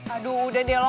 aduh udah deh lo